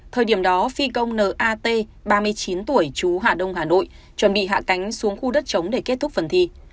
thời điểm đó phi công nat ba mươi chín tuổi chú hạ đông hà nội chuẩn bị hạ cánh xuống khu đất chống để kết thúc phần thi